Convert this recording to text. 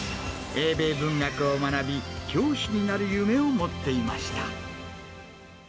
英米文学を学び、教師になる夢を持っていました。